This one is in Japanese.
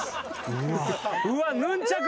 うわヌンチャク！